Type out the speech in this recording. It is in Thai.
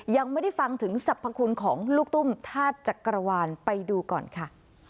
ยังไม่ได้ฟังถึงสรรพคุณของลูกตุ้มธาตุจักรวาลไปดูก่อนค่ะ